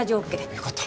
よかった。